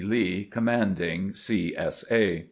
Lee, Commanding C. S. A.